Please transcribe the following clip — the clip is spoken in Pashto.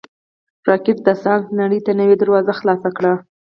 راکټ د ساینس نړۍ ته نوې دروازه خلاصه کړې